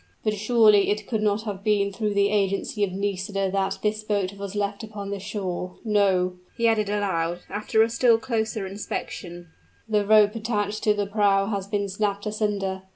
"But surely it could not have been through the agency of Nisida that this boat was left upon the shore? No," he added aloud, after a still closer inspection; "the rope fastened to the prow has been snapped asunder!